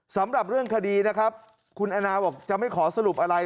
สำหรับเรื่องคดีนะครับคุณแอนนาบอกจะไม่ขอสรุปอะไร